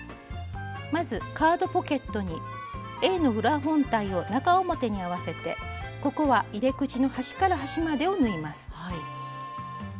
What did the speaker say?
まずカードポケットにＡの裏本体を中表に合わせてここは入れ口の端から端までを縫います。